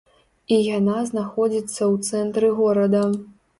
І яна знаходзіцца ў цэнтры горада.